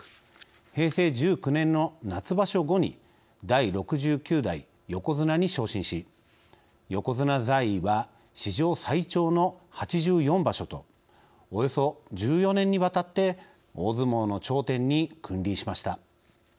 平成１９年の夏場所後に第６９代横綱に昇進し横綱在位は史上最長の８４場所とおよそ１４年にわたって大相撲の頂点に君臨しました。